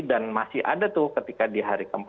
dan masih ada tuh ketika di hari ke empat